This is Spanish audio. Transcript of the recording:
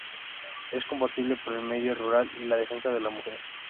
Es combativa por el medio rural y la defensa de la mujer.